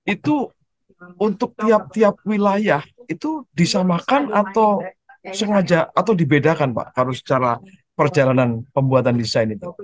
itu untuk tiap tiap wilayah itu disamakan atau sengaja atau dibedakan pak harus secara perjalanan pembuatan desain itu